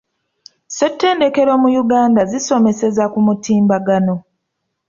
Ssettendekero mu Uganda zisomeseza ku mutimbagano.